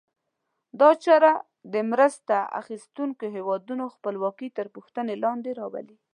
دا چاره د مرسته اخیستونکو هېوادونو خپلواکي تر پوښتنې لاندې راولي.